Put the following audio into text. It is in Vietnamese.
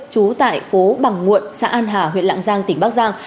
trú tại phố bằng muộn xã an hà huyện lạng giang tỉnh bắc giang